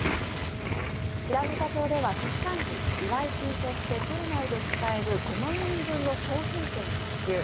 白糠町では出産時、祝い金として町内で使える５万円分の商品券を支給